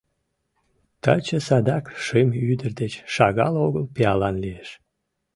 Таче садак шым ӱдыр деч шагал огыл пиалан лиеш.